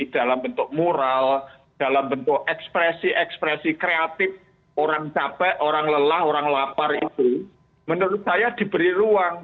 dalam bentuk moral dalam bentuk ekspresi ekspresi kreatif orang capek orang lelah orang lapar itu menurut saya diberi ruang